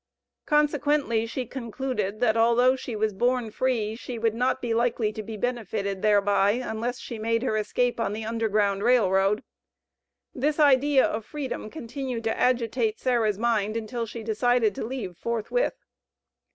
Consequently she concluded, that although she was born free, she would not be likely to be benefited thereby unless she made her escape on the Underground Rail Road. This idea of freedom continued to agitate Sarah's mind until she decided to leave forthwith.